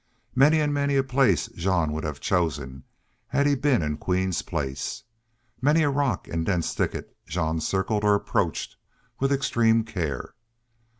Many and many a place Jean would have chosen had he been in Queen's place. Many a rock and dense thicket Jean circled or approached with extreme care.